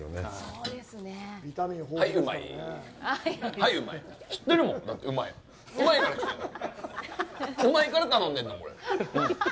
うまいから頼んでんだもん。